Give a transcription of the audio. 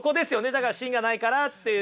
だから芯がないかなっていう。